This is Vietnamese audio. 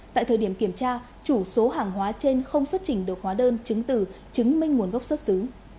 tại thời điểm kiểm tra chủ số hàng hóa trên không xuất trình được hóa đơn chứng từ chứng minh nguồn gốc xuất xứ